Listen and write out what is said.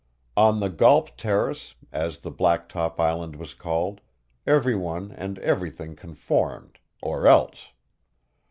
On the Golp Terrace, as the blacktop island was called, everyone and everything conformed or else.